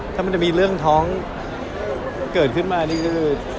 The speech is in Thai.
ถ้ามันจะมีเรื่องท้องเกิดขึ้นมานี่คือ